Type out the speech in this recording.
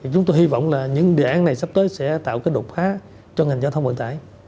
chúng tôi hy vọng là những đề án này sắp tới sẽ tạo cái đột phá cho ngành giao thông vận tải